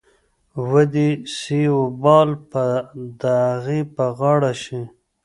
وې دې سي وبال به د اغې په غاړه شي.